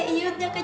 lala udah makan